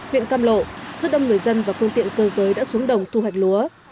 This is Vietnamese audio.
huyện cam lộ rất đông người dân và phương tiện cơ giới đã xuống đồng thu hoạch lúa